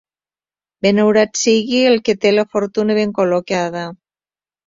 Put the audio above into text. Benaurat siga el qui té la fortuna ben col·locada.